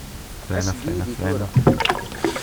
As-d yid-i tura.